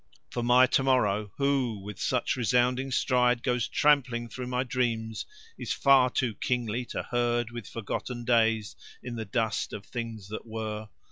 For my to morrow, who with such resounding stride goes trampling through my dreams, is far too kingly to herd with forgotten days in the dust of things that were.